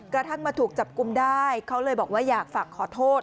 กระทั่งมาถูกจับกุมได้เขาเลยบอกว่าอยากฝากขอโทษ